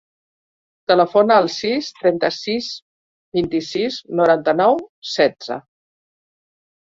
Telefona al sis, trenta-sis, vint-i-sis, noranta-nou, setze.